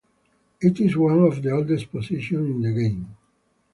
It is one of the oldest positions in the game.